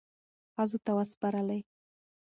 ښځو ته وسپارلې،